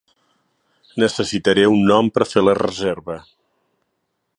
Necessitaré un nom per fer la reserva.